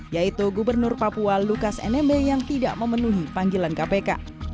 yaitu gubernur papua lukas nmb yang tidak memenuhi panggilan kpk